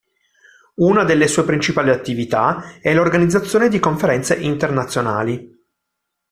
Una delle sue principali attività è l'organizzazione di conferenze internazionali.